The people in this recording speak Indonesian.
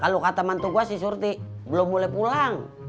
kalau kata mantu gua si surti belum boleh pulang